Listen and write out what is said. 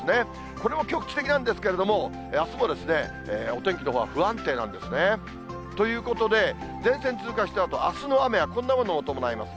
これも局地的なんですけども、あすもお天気のほうは不安定なんですね。ということで、前線通過したあと、あすの雨はこんなものを伴います。